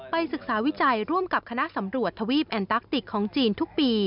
ศึกษาวิจัยร่วมกับคณะสำรวจทวีปแอนตัคติกของจีนทุกปี